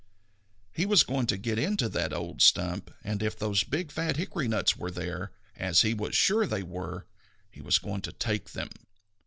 He was going to get into that old stump, and if those big, fat hickory nuts were there, as he was sure they were, he was going to take them.